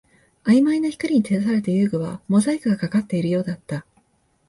曖昧な光に照らされた遊具はモザイクがかかっているようだった